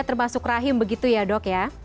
termasuk rahim begitu ya dok ya